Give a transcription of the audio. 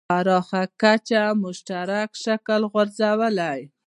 پراخه کچه مشترک شکل غورځولی.